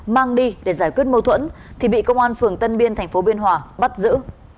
mang đi để giải quyết mâu thuẫn thì bị công an phường tân biên tp biên hòa bắt giữ